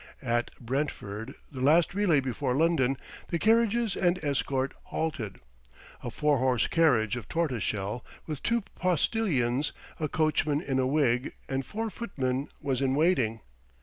At Brentford, the last relay before London, the carriages and escort halted. A four horse carriage of tortoise shell, with two postilions, a coachman in a wig, and four footmen, was in waiting.